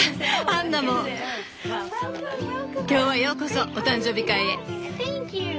今日はようこそお誕生日会へ。